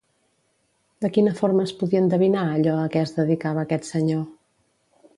De quina forma es podia endevinar allò a què es dedicava aquest senyor?